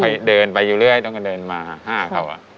เดินไปอยู่เรื่อยต้องก็เดินมาห้าเขา